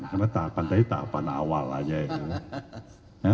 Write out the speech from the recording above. karena tahapan tadi tahapan awal aja ya